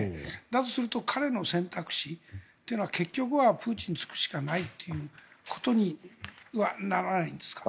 だとすると彼の選択肢は結局はプーチンにつくしかないということにならないんですか。